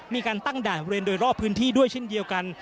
มีการตั้งด่านเวลาโรคพื้นที่ด้วยเช่นเดียวกัน